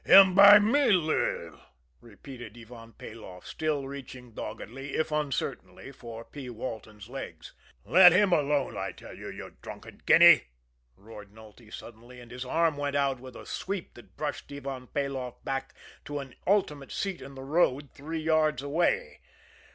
"Him by me live," repeated Ivan Peloff, still reaching doggedly, if uncertainly, for P. Walton's legs. "Let him alone, I tell you, you drunken Guinea!" roared Nulty suddenly, and his arm went out with a sweep that brushed Ivan Peloff back to an ultimate seat in the road three yards away.